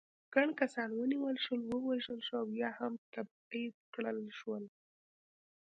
ګڼ کسان ونیول شول، ووژل شول او یا هم تبعید کړل شول.